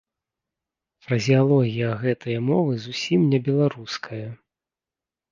Фразеалогія гэтае мовы зусім не беларуская.